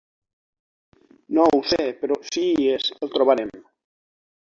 No ho sé, però si hi és el trobarem.